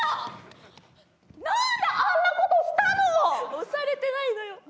押されてないのよ。